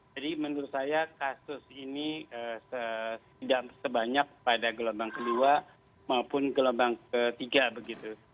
jadi menurut saya kasus ini tidak sebanyak pada gelombang ke dua maupun gelombang ke tiga begitu